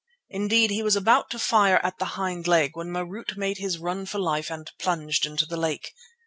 Indeed, he was about to fire at the hind leg when Marût made his run for life and plunged into the lake.